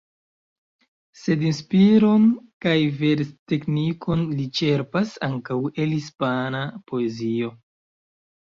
Sed inspiron kaj versteknikon li ĉerpas ankaŭ el hispana poezio.